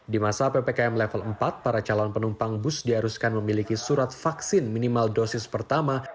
di masa ppkm level empat para calon penumpang bus diharuskan memiliki surat vaksin minimal dosis pertama